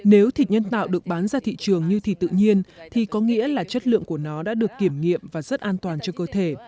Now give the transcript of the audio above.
nếu thịt nhân tạo được bán ra thị trường như thịt tự nhiên thì có nghĩa là chất lượng của nó đã được kiểm nghiệm và rất an toàn cho cơ thể